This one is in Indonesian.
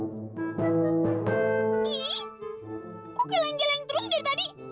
ih kok geleng geleng terus dari tadi